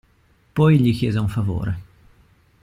Poi gli chiese un favore.